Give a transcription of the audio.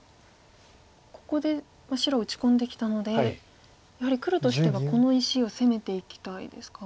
ここで白打ち込んできたのでやはり黒としてはこの石を攻めていきたいですか？